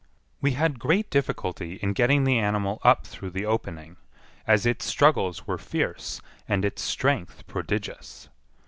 We had great difficulty in getting the animal up through the opening, as its struggles were fierce and its strength prodigious.